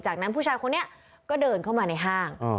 จากนั้นผู้ชายคนนี้ก็เดินเข้ามาในห้าง